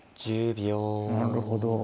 なるほど。